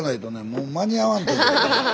もう間に合わん。